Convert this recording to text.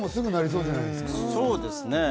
そうですね。